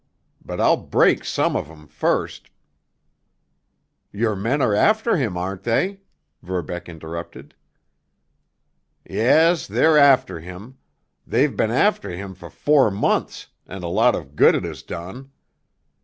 But I'll break some of 'em first——" "Your men are after him, aren't they?" Verbeck interrupted. "Yes—they're after him. They've been after him for four months, and a lot of good it has done.